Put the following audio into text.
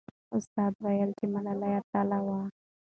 استاد وویل چې ملالۍ اتله وه.